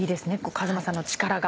和馬さんの力が。